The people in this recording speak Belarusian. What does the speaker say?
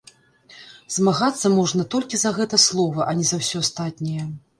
Змагацца можна толькі за гэта слова, а не за ўсё астатняе.